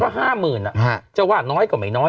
ก็๕๐๐๐๐จะว่าน้อยกว่าเป็นไม่น้อย